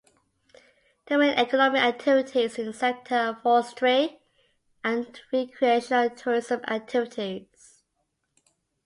The main economic activities in the sector are forestry and recreational tourism activities.